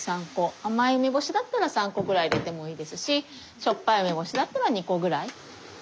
甘い梅干しだったら３個ぐらい入れてもいいですししょっぱい梅干しだったら２個ぐらい。